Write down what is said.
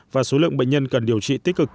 và số lượng bệnh nhân cần điều trị tích cực